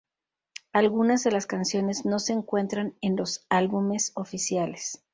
Algunas de las canciones no se encuentran en los álbumes oficiales.